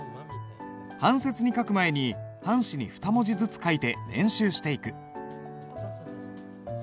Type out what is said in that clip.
半切に書く前に半紙に２文字ずつ書いて練習していく。